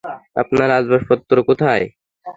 আপনার আসবাবপত্র কোথায়?